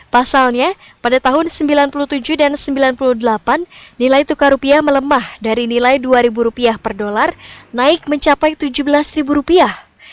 pasalnya pada tahun seribu sembilan ratus sembilan puluh tujuh dan sembilan puluh delapan nilai tukar rupiah melemah dari nilai dua ribu rupiah per dolar naik mencapai tujuh belas ribu rupiah